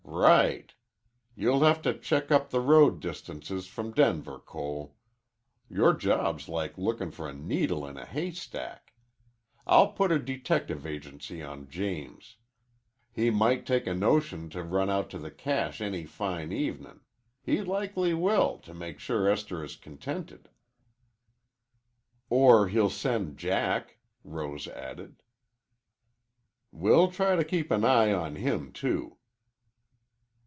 "Right. You'll have to check up the road distances from Denver, Cole. Your job's like lookin' for a needle in a haystack. I'll put a detective agency on James. He might take a notion to run out to the cache any fine evenin'. He likely will, to make sure Esther is contented." "Or he'll send Jack," Rose added. "We'll try to keep an eye on him, too."